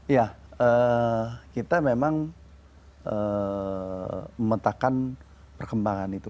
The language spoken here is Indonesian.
ya kita memang memetakan perkembangan itu